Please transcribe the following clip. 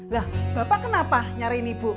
lah bapak kenapa nyariin ibu